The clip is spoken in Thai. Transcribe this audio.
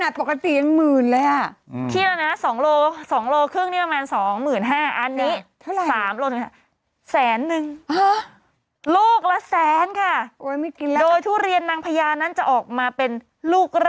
โดยทุเรียนนางพยานั้นจะออกมาเป็นลูกแรด